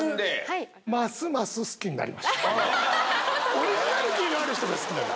オリジナリティーのある人が好きなの。